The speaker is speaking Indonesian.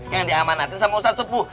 yang diamanatin sama ustadz sepuh